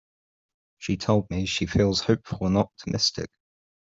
She told me she feels hopeful and optimistic.